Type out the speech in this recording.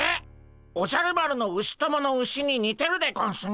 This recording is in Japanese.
おじゃる丸のウシ友のウシににてるでゴンスね。